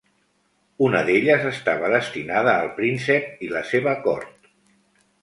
Una d'elles estava destinada al príncep i la seva cort.